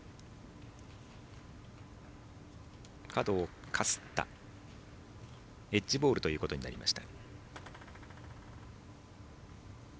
角をかすったエッジボールということになりました。